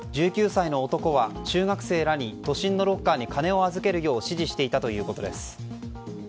１９歳の男は中学生らに都心のロッカーに金を預けるよう指示していたということです。